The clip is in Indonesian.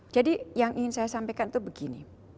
yang ingin saya sampaikan itu begini